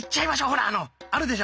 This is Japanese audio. ほらあのあるでしょ